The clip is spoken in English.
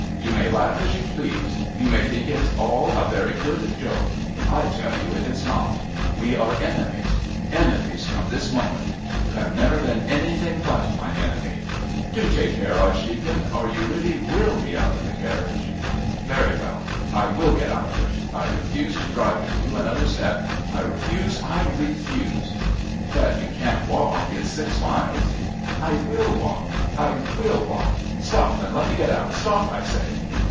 You may laugh as you please. You may think it all a very good joke. I tell you it is not. We are enemies, enemies from this moment. You have never been anything but my enemy." "Do take care, Archdeacon, or you really will be out of the carriage." "Very well. I will get out of it. I refuse to drive with you another step. I refuse. I refuse." "But you can't walk. It's six miles." "I will walk! I will walk! Stop and let me get out! Stop, I say!"